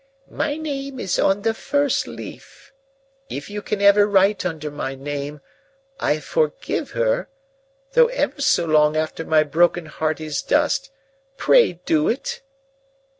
"My name is on the first leaf. If you can ever write under my name, "I forgive her," though ever so long after my broken heart is dust pray do it!"